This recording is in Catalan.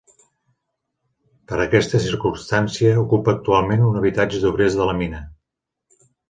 Per aquesta circumstància ocupa actualment un habitatge d'obrers de la mina.